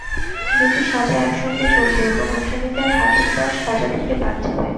দুটি সাজা একসঙ্গে চলবে এবং আসামিদের হাজতবাস সাজা থেকে বাদ যাবে।